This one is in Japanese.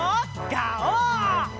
ガオー！